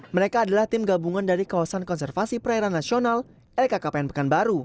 mereka adalah tim gabungan dari kawasan konservasi perairan nasional lkkpn pekanbaru